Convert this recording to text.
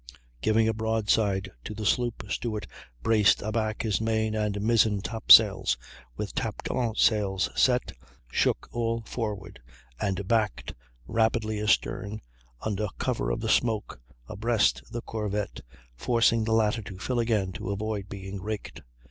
Giving a broadside to the sloop, Stewart braced aback his main and mizzen top sails, with top gallant sails set, shook all forward, and backed rapidly astern, under cover of the smoke, abreast the corvette, forcing the latter to fill again to avoid being raked.